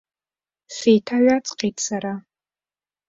Сеиҭаҩаҵҟьеит сара.